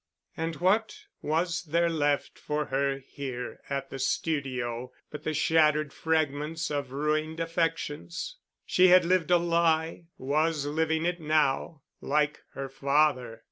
And what was there left for her here at the studio but the shattered fragments of ruined affections? She had lived a lie—was living it now—like her father....